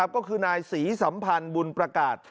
ก็คือนายศรีสัมพันธ์บุญประกาศ